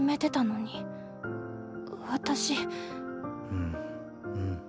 うんうん。